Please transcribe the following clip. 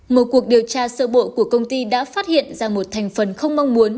một cuộc điều tra sơ bộ của công ty đã phát hiện ra một thành phần không mong muốn